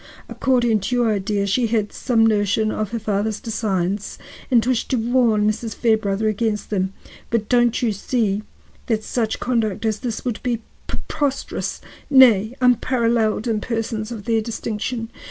According to your idea, she had some notion of her father's designs and wished to warn Mrs. Fairbrother against them. But don't you see that such conduct as this would be preposterous, nay, unparalleled in persons of their distinction?